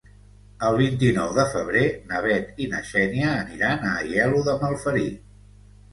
El vint-i-nou de febrer na Bet i na Xènia aniran a Aielo de Malferit.